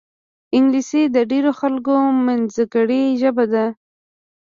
انګلیسي د ډېرو خلکو منځګړې ژبه ده